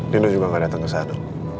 rindu juga gak datang ke sana